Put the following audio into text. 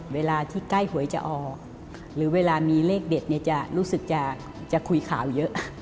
เวลาที่ใกล้หวยจะออกหรือเวลามีเลขเด็ดเนี่ยจะรู้สึกจะคุยข่าวเยอะ